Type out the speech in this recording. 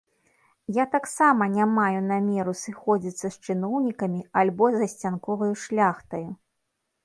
Я таксама не маю намеру сыходзіцца з чыноўнікамі альбо засцянковаю шляхтаю.